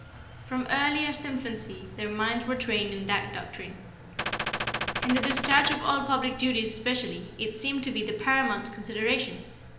From earliest infancy their minds were trained in that doctrine. In the discharge of all public duties especially, it seemed to be the paramount consideration.